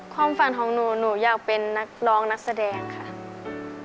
ความฝันของหนูหนูอยากเป็นนักร้องนักแสดงค่ะ